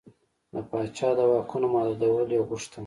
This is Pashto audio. د پاچا د واکونو محدودول یې غوښتل.